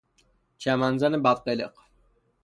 چمن زن بد قلق